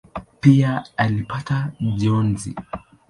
Pia alipata njozi.